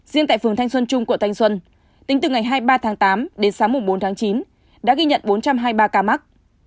riêng tại phường thanh xuân trung quận thanh xuân tính từ ngày hai mươi ba tháng tám đến sáng bốn tháng chín đã ghi nhận bốn trăm hai mươi ba ca mắc